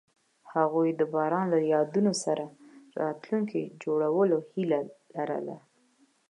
هغوی د باران له یادونو سره راتلونکی جوړولو هیله لرله.